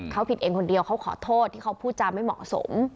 เขาผิดเองคนเดียวเขาขอโทษที่เขาพูดจาไม่เหมาะสม